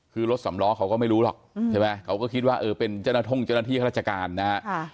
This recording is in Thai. คือรถสามล้อเค้าก็ไม่รู้หรอกใช่ไหมเค้าก็คิดว่าเออเป็นเจ้าหน้าท่องเจ้าหน้าที่ราชการนะฮะ